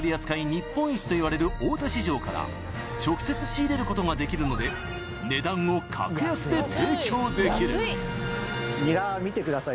日本一といわれる大田市場から直接仕入れることができるので値段を格安で提供できる見てください